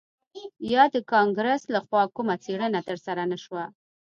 یا د کانګرس لخوا کومه څیړنه ترسره نه شوه